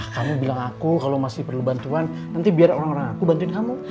kamu bilang aku kalau masih perlu bantuan nanti biar orang orang aku bantuin kamu